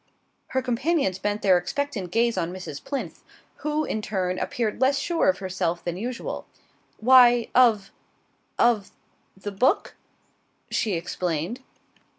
Her companions bent their expectant gaze on Mrs. Plinth, who, in turn, appeared less sure of herself than usual. "Why, of of the book," she explained.